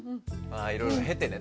あいろいろ経てね。